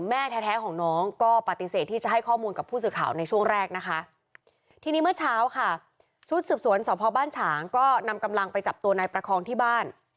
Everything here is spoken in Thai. มีอธิบายของในประคองที่บ้าน